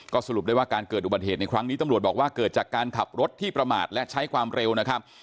สรุปได้ว่าการเกิดอุบัติเหตุในครั้งนี้ตำรวจบอกว่าเกิดจากการขับรถที่ประมาทและใช้ความเร็วนะครับ